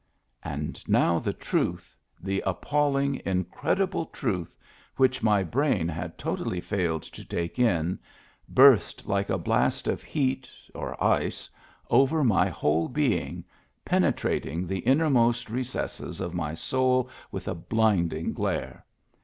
And now the truth, the appalling, incredible truth, which my brain had totally failed to take in, burst like a blast of heat or ice over my whole being, penetrating the innermost recesses of my soul with a blinding glare.